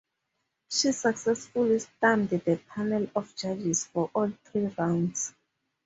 She successfully stumped the panel of judges for all three rounds.